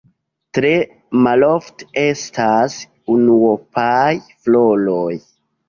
Tre malofte estas unuopaj floroj.